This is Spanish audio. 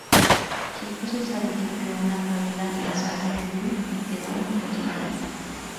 Su esposa Isabel sufrió una caída en Sant Feliu y quedó imposibilitada.